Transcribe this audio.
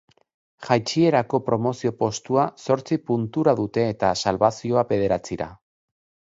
Jaitsierako promozio postua zortzi puntura dute eta salbazioa bederatzira.